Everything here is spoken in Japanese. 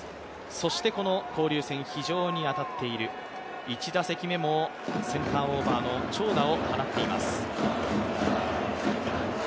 そしてこの交流戦非常に当たっている、１打席目もセンターオーバーの長打を放っています。